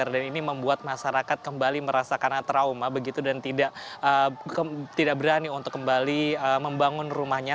dan ini membuat masyarakat kembali merasa karena trauma begitu dan tidak berani untuk kembali membangun rumahnya